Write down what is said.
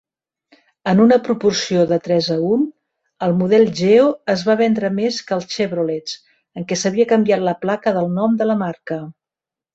En una proporció de tres a un, el model Geo es va vendre més que els Chevrolets en què s'havia canviat la placa del nom de la marca.